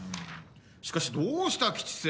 しかし、どうした吉瀬？